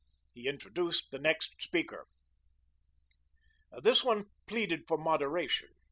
He introduced the next speaker. This one pleaded for moderation.